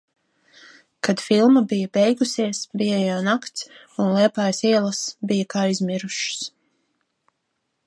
Kad filma bija beigusies, bija jau nakts un Liepājas ielas bija kā izmirušas.